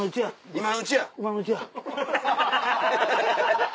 今のうちや。